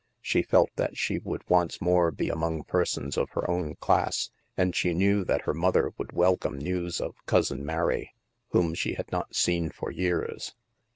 She felt that she would once more be among persons of her own class, and she knew that her mother would welcome news of " Cousin Mary," whom she had not seen for years.